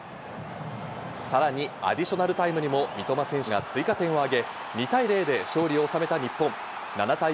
さらにアディショナルタイムにも三笘選手が追加点を挙げ、２対０で勝利を収めた日本。